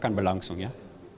akan berlangsung ya